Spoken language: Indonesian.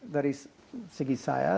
dari segi saya